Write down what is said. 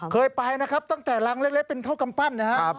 เคยไปนะครับตั้งแต่รังเล็กเป็นเท่ากำปั้นนะครับ